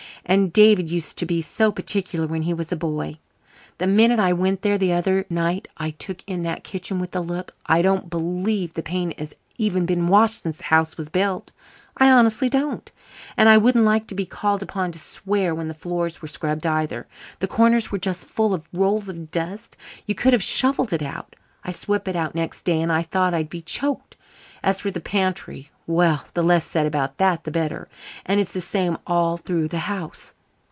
"And David used to be so particular when he was a boy. The minute I went there the other night I took in that kitchen with a look. I don't believe the paint has even been washed since the house was built. I honestly don't. And I wouldn't like to be called upon to swear when the floor was scrubbed either. The corners were just full of rolls of dust you could have shovelled it out. I swept it out next day and I thought I'd be choked. As for the pantry well, the less said about that the better. And it's the same all through the house.